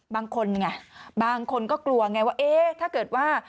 บางคนไงบางคนก็กลัวไงว่าเอ๊ะถ้าเกิดว่า